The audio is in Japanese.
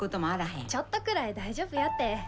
ちょっとくらい大丈夫やて。